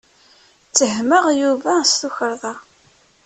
Ttehmeɣ Yuba s tukerḍa.